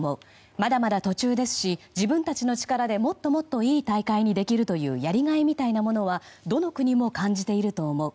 まだまだ途中ですし自分たちの力でもっともっといい大会にできるというやりがいみたいなものはどの国も感じていると思う。